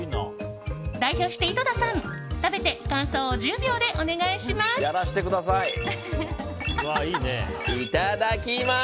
代表して井戸田さん、食べて感想を１０秒でお願いします。